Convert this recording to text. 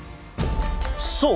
そう！